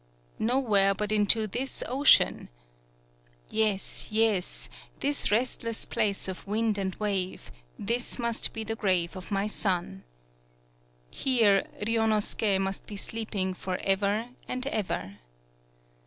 Nowhere but into this ocean! Yes, yes, this restless place of wind and wave ; this must be the grave of my son ! Here Ryunosuke must be sleeping for ever and ever